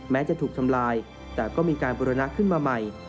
แม้จะถูกทำลายแต่ก็มีการบุรณะขึ้นมาใหม่